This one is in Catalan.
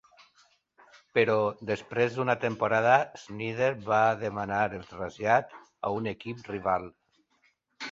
Però després d'una temporada, Snider va demanar el trasllat a un equip rival.